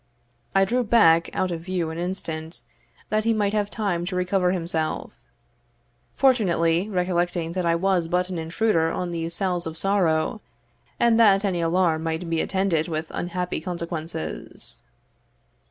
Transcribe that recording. I drew back out of view an instant, that he might have time to recover himself; fortunately recollecting that I was but an intruder on these cells of sorrow, and that any alarm might be attended with unhappy consequences.